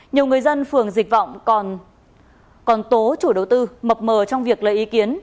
nhiều người dân phường dịch vọng còn tố chủ đầu tư mập mờ trong việc lấy ý kiến